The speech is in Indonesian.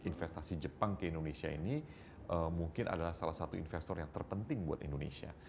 investasi jepang ke indonesia ini mungkin adalah salah satu investor yang terpenting buat indonesia